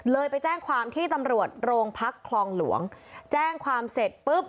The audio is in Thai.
ไปแจ้งความที่ตำรวจโรงพักคลองหลวงแจ้งความเสร็จปุ๊บ